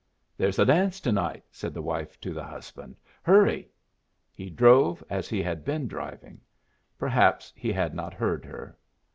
"There's a dance to night," said the wife to the husband. "Hurry." He drove as he had been driving. Perhaps he had not heard her.